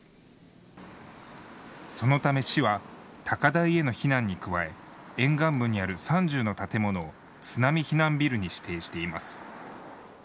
そのため市は高台への避難に加え沿岸部にある３０の建物を津波避難ビルに指定しています。